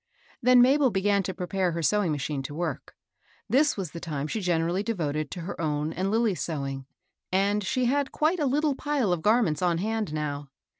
Then Mabel began to prepare her sewing machine to work. This was the time she gen erally devoted to her own and Lilly's sewing, and she had quite a little pile of garments on hand now.